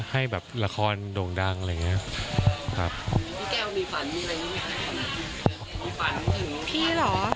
ให้แบบละครดงอะไรอย่างนี้